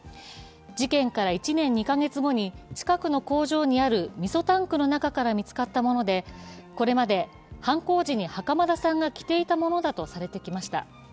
事件から１年２か月後に近くの工場にあるみそタンクの中から見つかったもので、これまで犯行時に袴田さんが着ていたものだとされてきました。